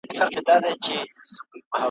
تاسو به غفلت وکړئ او شرموښ به ئې درڅخه وخوري.